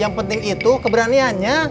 yang penting itu keberaniannya